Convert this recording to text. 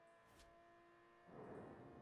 Madura pasadas tres semanas desde la floración.